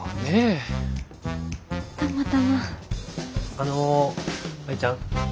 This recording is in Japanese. あの舞ちゃん。